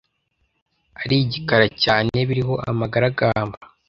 ari igikara cyane biriho amagaragamba